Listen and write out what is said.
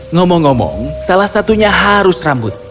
ngomong ngomong salah satunya harus rambut